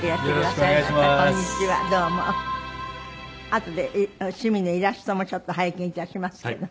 あとで趣味のイラストもちょっと拝見致しますけど。